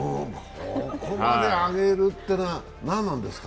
こんだけ上がるっていうのは何なんですか？